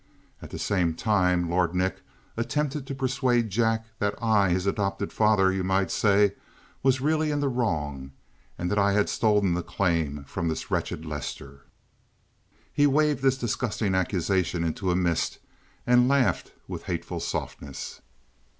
At the same time, Lord Nick attempted to persuade Jack that I, his adopted father, you might say, was really in the wrong, and that I had stolen the claims from this wretched Lester!" He waved this disgusting accusation into a mist and laughed with hateful softness.